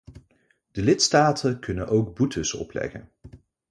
De lidstaten kunnen ook boetes opleggen.